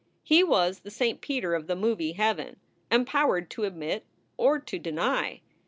He was the St. Peter of the movie heaven, empowered to admit or to deny.